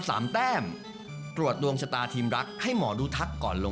สวัสดีจ้า